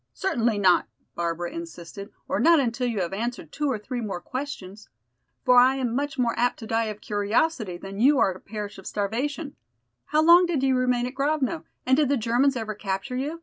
"Certainly not," Barbara insisted, "or not until you have answered two or three more questions. For I am much more apt to die of curiosity than you are to perish of starvation. How long did you remain at Grovno, and did the Germans ever capture you?